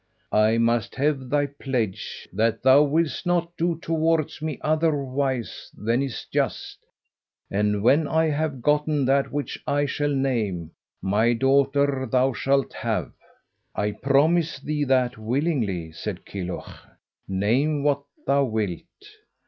"I must have thy pledge that thou wilt not do towards me otherwise than is just, and when I have gotten that which I shall name, my daughter thou shalt have." "I promise thee that willingly," said Kilhuch, "name what thou wilt."